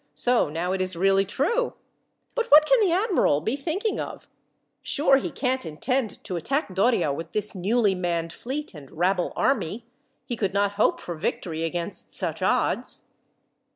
So, now, it is really true! But what can the admiral be thinking of! Sure he can't intend to attack Doria with this newly manned fleet and rabble army. He could not hope for victory against such odds!"